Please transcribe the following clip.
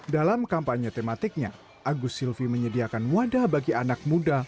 dalam kampanye tematiknya agus silvi menyediakan wadah bagi anak muda